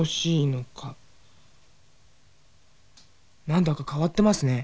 何だか変わってますね。